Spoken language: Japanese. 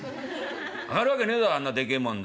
揚がるわけねえぞあんなでけえもん。